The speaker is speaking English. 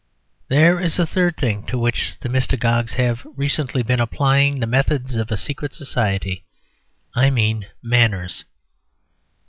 There is a third thing to which the mystagogues have recently been applying the methods of a secret society: I mean manners.